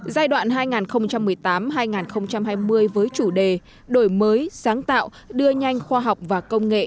giai đoạn hai nghìn một mươi tám hai nghìn hai mươi với chủ đề đổi mới sáng tạo đưa nhanh khoa học và công nghệ